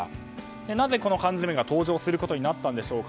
なぜ、この缶詰が登場することになったんでしょうか。